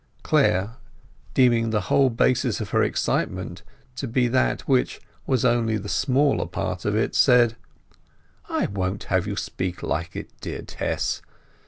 Clare, deeming the whole basis of her excitement to be that which was only the smaller part of it, said— "I won't have you speak like it, dear Tess!